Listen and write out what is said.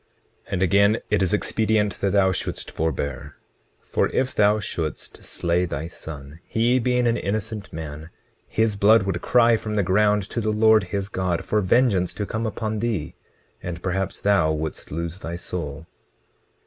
20:18 And again, it is expedient that thou shouldst forbear; for if thou shouldst slay thy son, he being an innocent man, his blood would cry from the ground to the Lord his God, for vengeance to come upon thee; and perhaps thou wouldst lose thy soul.